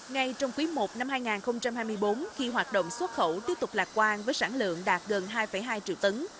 ngay trong quý i năm hai nghìn hai mươi bốn khi hoạt động xuất khẩu tiếp tục lạc quan với sản lượng đạt gần hai hai triệu tấn